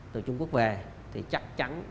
từ trung quốc về thì chắc chắn